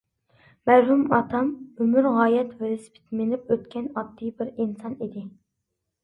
مەرھۇم ئاتام ئۆمۈر غايەت ۋېلىسىپىت مىنىپ ئۆتكەن ئاددىي بىر ئىنسان ئىدى.